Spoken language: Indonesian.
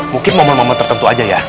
mungkin momen momen tertentu aja ya